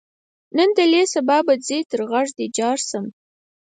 نن دلې سبا به ځې تر غږ دې جار شم.